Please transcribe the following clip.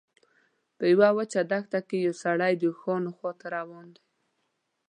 په یوه وچه دښته کې یو سړی د اوښانو خواته روان دی.